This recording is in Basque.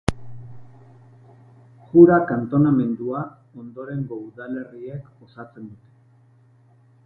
Jura kantonamendua ondorengo udalerriek osatzen dute.